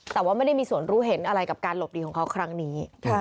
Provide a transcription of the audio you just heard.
แต่ว่าไม่ได้มีส่วนรู้เห็นอะไรกับการหลบหนีของเขาครั้งนี้